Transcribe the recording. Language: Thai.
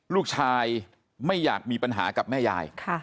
ลูกชายไม่อยากมีปัญหากับแม่ยาย